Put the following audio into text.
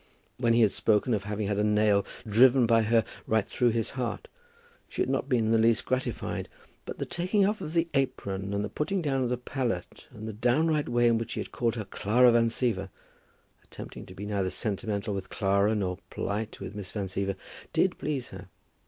When he had spoken of having had a nail driven by her right through his heart, she had not been in the least gratified; but the taking off of the apron, and the putting down of the palette, and the downright way in which he had called her Clara Van Siever, attempting to be neither sentimental with Clara, nor polite with Miss Van Siever, did please her.